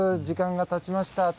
時間が経ちました。